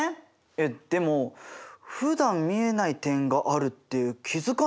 えっでもふだん見えない点があるって気付かないよね？